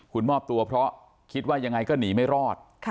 คุณมอบตัวเพราะคิดว่ายังไงก็หนีไม่รอด